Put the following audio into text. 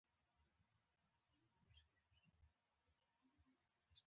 زمونږ ولایت پکتیکا کې مڼو ونو ښه نتیجه ورکړې ده